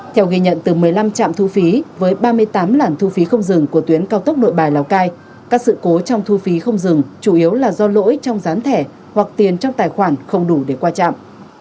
theo ghi nhận từ một mươi năm trạm thu phí với ba mươi tám làn thu phí không dừng của tuyến cao tốc nội bài lào cai các sự cố trong thu phí không dừng chủ yếu là do lỗi trong dán thẻ hoặc tiền trong tài khoản không đủ để qua trạm